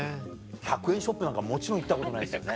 １００円ショップなんかもちろん行ったことないですよね？